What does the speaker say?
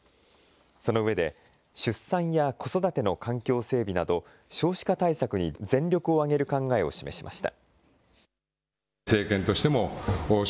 その上で出産や子育ての環境整備など少子化対策に全力を挙げる考えを示しました。